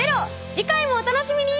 次回もお楽しみに！